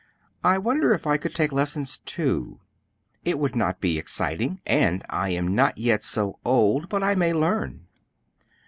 I wonder if I could take lessons too; it would not be exciting, and I am not yet so old but I may learn."